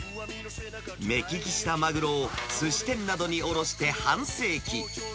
目利きしたマグロを、すし店などに卸して半世紀。